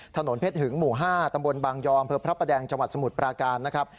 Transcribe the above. ถนนเพชรหึงหมู่๕ตำบลบางยอมอำเภอพระประแดงจังหวัดสมุทรปราการนะครับ